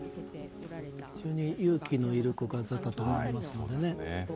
非常に勇気のいる告発だったと思いますので。